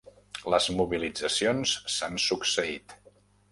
Les mobilitzacions s'han succeït.